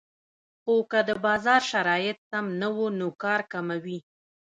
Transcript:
خو که د بازار شرایط سم نه وو نو کار کموي